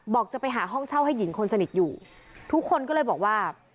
จะไปหาห้องเช่าให้หญิงคนสนิทอยู่ทุกคนก็เลยบอกว่า